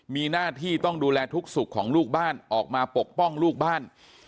มีหน้าที่ต้องดูแลทุกสุขของลูกบ้านออกมาปกป้องลูกบ้าน